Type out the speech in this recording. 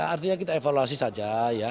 artinya kita evaluasi saja